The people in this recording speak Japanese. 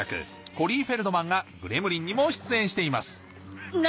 コリー・フェルドマンが『グレムリン』にも出演しています何？